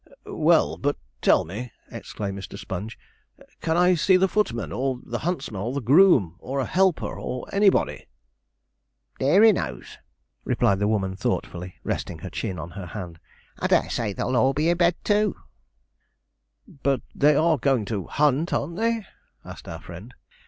'Well, but tell me,' exclaimed Mr. Sponge, 'can I see the footman, or the huntsman, or the groom, or a helper, or anybody?' 'Deary knows,' replied the woman thoughtfully, resting her chin on her hand. 'I dare say they'll be all i' bed too.' 'But they are going to hunt, aren't they?' asked our friend.